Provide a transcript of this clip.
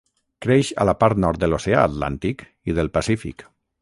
Creix a la part nord de l'Oceà Atlàntic i del Pacífic.